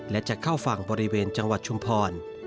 และจะเข้าฝั่งบริเวณจังหวัดชุมพร